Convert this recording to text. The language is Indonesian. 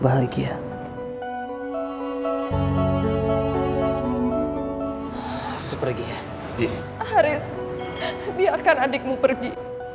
haris biarkan adikmu pergi